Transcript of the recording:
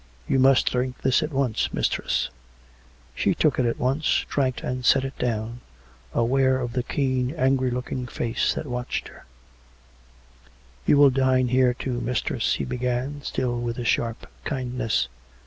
" You must drink this at once, mistress." 208 COME RACK! COME ROPE! She took it at once, drank and set it down, aware of the keen, angry looking face that watched her, " You will dine here, too, mistress " he began, still with a sharp kindness.